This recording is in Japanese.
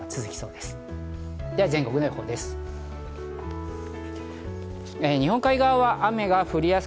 では全国の予報です。